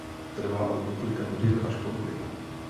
Trvá od několika hodin až po dny.